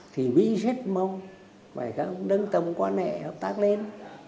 thì mỹ rất mong phải nâng tầm quan hệ hợp tác lên